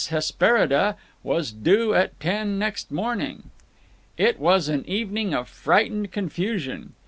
Hesperiida was due at ten next morning. It was an evening of frightened confusion.